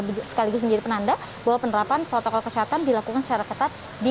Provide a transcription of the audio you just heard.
sekaligus menjadi penanda bahwa penerapan protokol kesehatan dilakukan secara ketat di